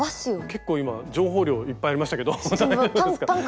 結構今情報量いっぱいありましたけど大丈夫ですか？